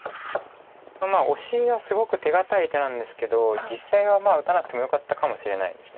オシがすごく手堅い手なんですけど実際は打たなくてもよかったかもしれないです。